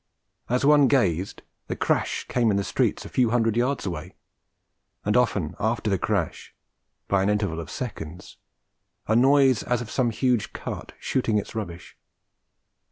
As one gazed, the crash came in the streets a few hundred yards away; and often after the crash, by an interval of seconds, a noise as of some huge cart shooting its rubbish.